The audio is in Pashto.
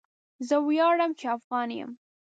زه وياړم چي افغان يم.